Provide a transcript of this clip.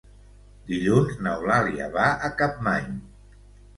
Dilluns n'Eulàlia va a Capmany.